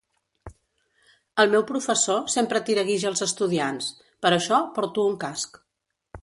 El meu professor sempre tira guix als estudiants, per això porto un casc.